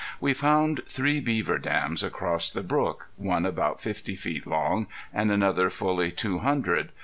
We found three beaver dams across the brook, one about fifty feet long, and another fully two hundred.